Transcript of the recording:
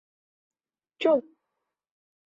Тю!